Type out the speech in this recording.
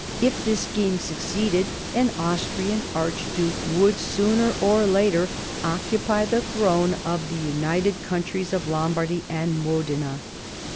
If this scheme succeeded, an Austrian archduke would sooner or later occupy the throne of the united countries of Lombardy and Modena.